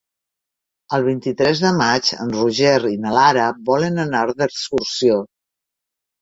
El vint-i-tres de maig en Roger i na Lara volen anar d'excursió.